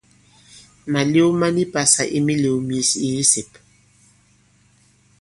Màlew ma ni pasa i mīlēw myes i kisèp.